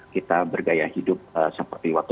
kita bergaya hidup seperti waktu